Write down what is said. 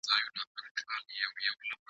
زه تږی د کلونو یم د خُم څنګ ته درځمه ,